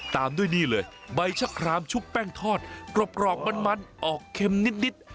ตามด้วยนี่เลยใบชะครามชุบแป้งทอดกรอบมันออกเค็มนิด